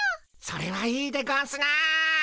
それはいいでゴンスな。